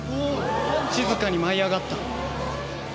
「静かに舞い上がった」